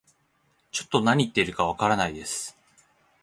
ちょっと何言ってるかわかんないです